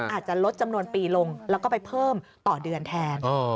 อาจจะลดจำนวนปีลงแล้วก็ไปเพิ่มต่อเดือนแทน